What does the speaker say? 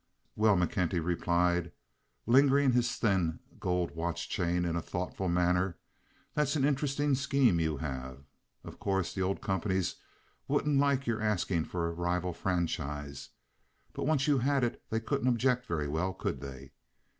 "Well," McKenty replied, lingering his thin gold watch chain in a thoughtful manner, "that's an interesting scheme you have. Of course the old companies wouldn't like your asking for a rival franchise, but once you had it they couldn't object very well, could they?"